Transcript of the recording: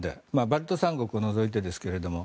バルト三国を除いてですけれど。